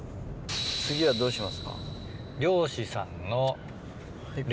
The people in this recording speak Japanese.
次はどうしますか？